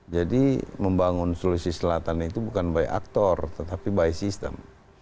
jadi membangun sulawesi selatan itu bukan by actor tetapi by system